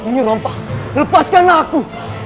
nyu rompah lepaskanlah aku